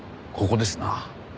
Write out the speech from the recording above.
ここですな。